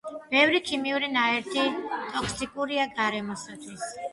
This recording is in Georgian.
ბევრი ქიმიური ნაერთი ტოქსიკურია გარემოსთვის